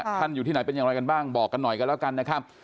ท่านอยู่ที่ไหนเป็นอย่างไรกันบ้างบอกกันหน่อยกันแล้วกันนะครับ